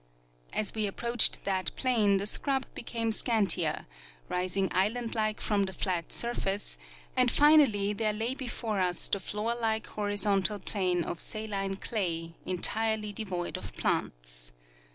As we approached that plain the scrub became scantier, rising island like from the flat surface, and finally there lay before us the floor like horizontal plain of saline clay, entirely devoid of plants.